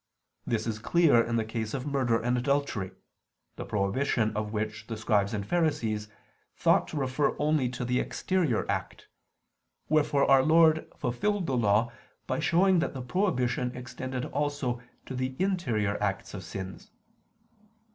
This is clear in the case of murder and adultery, the prohibition of which the Scribes and Pharisees thought to refer only to the exterior act: wherefore Our Lord fulfilled the Law by showing that the prohibition extended also to the interior acts of sins.